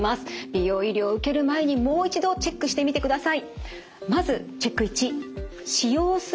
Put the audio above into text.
美容医療を受ける前にもう一度チェックしてみてください。